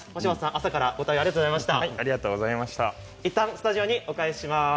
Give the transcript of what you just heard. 朝からありがとうございました。